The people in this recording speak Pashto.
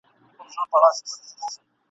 پر کشپ باندي شېبې نه تېرېدلې ..